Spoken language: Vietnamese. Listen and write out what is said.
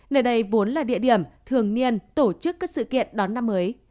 nơi đây vốn là địa điểm thường niên tổ chức các sự kiện đón năm mới